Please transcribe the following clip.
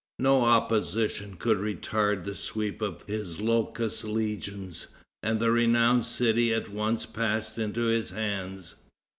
No opposition could retard the sweep of his locust legions; and the renowned city at once passed into his hands.